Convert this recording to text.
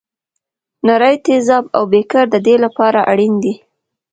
نري تیزاب او بیکر د دې لپاره اړین دي.